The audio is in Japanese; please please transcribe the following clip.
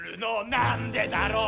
「なんでだろう」